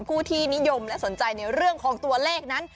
ผู้ที่นิยมและสนใจในเรื่องของตัวเลขนั้น